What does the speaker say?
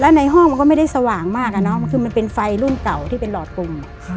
ในห้องมันก็ไม่ได้สว่างมากอะเนาะคือมันเป็นไฟรุ่นเก่าที่เป็นหลอดกลุ่ม